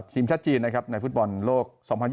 ทีมชาติจีนในฟุตบอลโลก